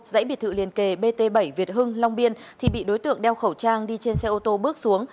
dãy biệt thự liền kề bt bảy việt hưng long biên thì bị đối tượng đeo khẩu trang đi trên xe ô tô bước xuống